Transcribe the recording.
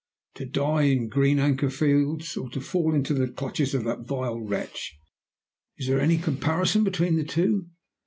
To die in Green Anchor Fields, or to fall into the clutches of that vile wretch is there any comparison between the two?